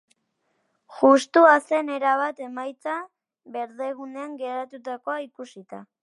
Justua zen erabat emaitza berdegunean gertatutakoa ikusita.